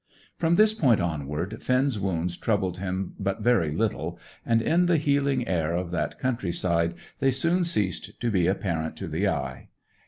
From this point onward, Finn's wounds troubled him but very little, and in the healing air of that countryside they soon ceased to be apparent to the eye.